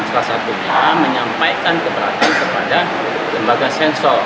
salah satunya menyampaikan keberatan kepada lembaga sensor